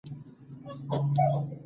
په عمل او خبرو کې یې وښیو.